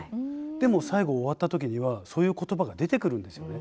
でも最後終わった時にはそういう言葉が出てくるんですよね。